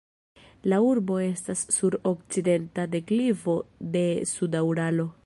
La urbo estas sur okcidenta deklivo de suda Uralo.